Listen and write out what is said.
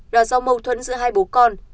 đó do mâu thuẫn giữa hai bố con